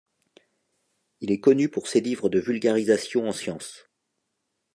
Il est connu pour ses livres de vulgarisation en sciences.